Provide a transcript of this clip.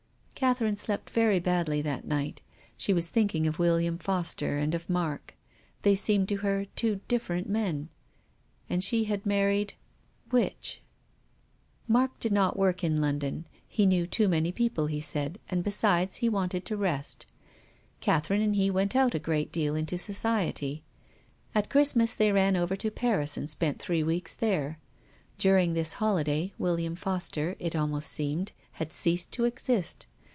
Catherine slept very badly that night. She was thinking of William Foster and of Mark. They seemed to her two different men. And she had married — which ? Mark did no work in London. He knew too many people, he said, and besides, he wanted to rest. Catherine and he went out a great deal into society. At Christmas they ran over to Paris and spent three weeks there. During this holiday William Foster, it almost seemed, had ceased to exist.